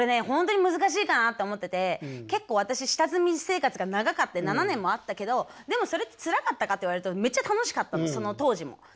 本当に難しいかなと思ってて結構私下積み生活が長かって７年もあったけどでもそれってつらかったかって言われるとめっちゃ楽しかったのその当時も。